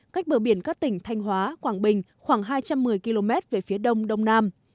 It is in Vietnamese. cách bờ biển các tỉnh thanh hóa quảng bình khoảng hai trăm một mươi km về phía đông đông nam